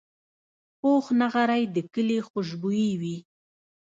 پوخ نغری د کلي خوشبويي وي